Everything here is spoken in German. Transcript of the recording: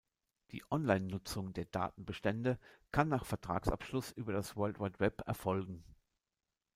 Die Online-Nutzung der Datenbestände kann nach Vertragsabschluss über das World Wide Web erfolgen.